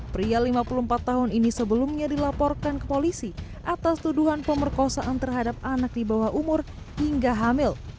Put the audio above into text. pria lima puluh empat tahun ini sebelumnya dilaporkan ke polisi atas tuduhan pemerkosaan terhadap anak di bawah umur hingga hamil